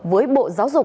với bộ giáo dục